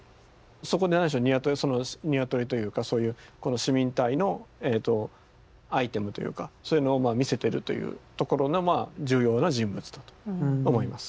そこにある種の鶏というかそういうこの市民隊のアイテムというかそういうのを見せてるというところが重要な人物だと思います。